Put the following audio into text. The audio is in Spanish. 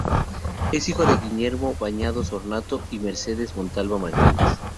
Es hijo de Guillermo Bañados Honorato y de Mercedes Montalva Martínez.